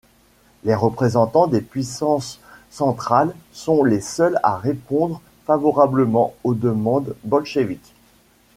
Les représentants des puissances centrales sont les seuls à répondre favorablement aux demandes bolcheviks.